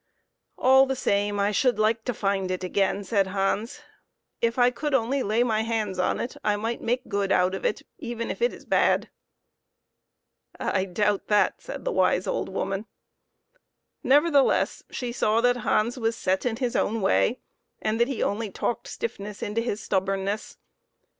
"All the same, I should like to find it again," said Hans; "if I could only lay my hands on it I might make good out of it, even if it is bad." " I doubt that," said the old wise woman. Nevertheless, she saw that Hans was set in his own way, and that he only talked stiffness into his stubbornness.